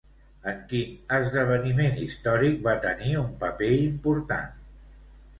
En quin esdeveniment històric va tenir un paper important?